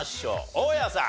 大家さん。